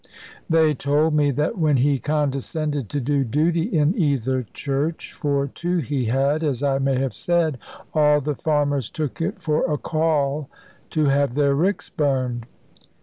They told me that when he condescended to do duty in either church for two he had, as I may have said all the farmers took it for a call to have their ricks burned.